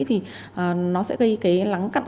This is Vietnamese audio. thì nó sẽ gây cái lắng cặn